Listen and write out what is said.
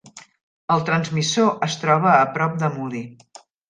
El transmissor es troba a prop de Moody.